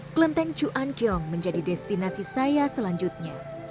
kelenteng chuan kiong menjadi destinasi saya selanjutnya